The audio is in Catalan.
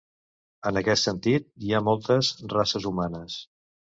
En aquest sentit, hi ha moltes "races humanes".